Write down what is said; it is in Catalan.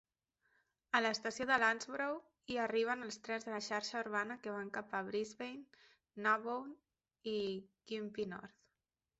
A l'estació de Landsborough hi arriben els trens de la xarxa urbana que van cap a Brisbane, Nambour i Gympie North.